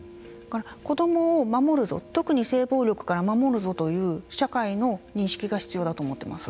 子どもを守るぞ、特に性暴力から守るぞという社会の認識が必要だと思っています。